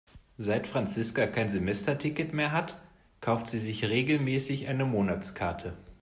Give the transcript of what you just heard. Seit Franziska kein Semesterticket mehr hat, kauft sie sich regelmäßig eine Monatskarte.